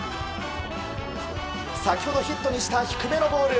先ほどヒットにした低めのボール